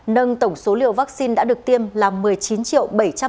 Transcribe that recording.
nâng tổng số liều vaccine đã được tiêm là một mươi chín bảy trăm một mươi năm trăm sáu mươi liều